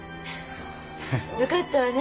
よかったわね。